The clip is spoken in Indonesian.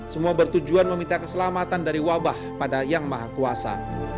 semua bertujuan meminta keselamatan dari wabah pada yang maha kuasa